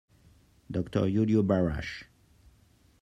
Doctor Iuliu Barasch.